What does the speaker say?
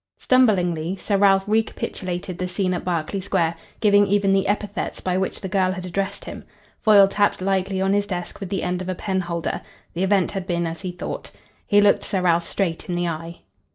Stumblingly, Sir Ralph recapitulated the scene at Berkeley Square, giving even the epithets by which the girl had addressed him. Foyle tapped lightly on his desk with the end of a penholder. The event had been as he thought. He looked Sir Ralph straight in the eye.